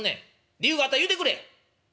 理由があったら言うてくれ」。